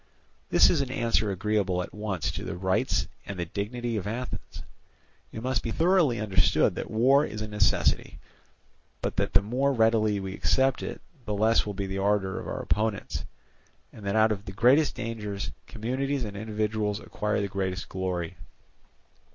This is an answer agreeable at once to the rights and the dignity of Athens. It must be thoroughly understood that war is a necessity; but that the more readily we accept it, the less will be the ardour of our opponents, and that out of the greatest dangers communities and individuals acquire the greatest glory.